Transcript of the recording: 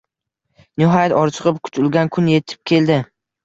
Nihoyat, orziqib kutilgan kun etib keldi